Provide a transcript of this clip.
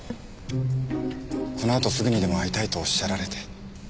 このあとすぐにでも会いたいとおっしゃられて。